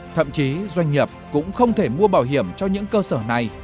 thậm chí doanh nghiệp cũng không thể mua bảo hiểm cho những cơ sở này